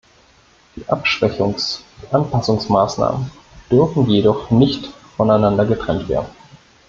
Die Abschwächungsund Anpassungsmaßnahmen dürfen jedoch nicht voneinander getrennt werden.